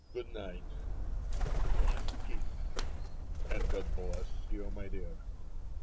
" Good night," the last kiss, " and God bless you, my dear."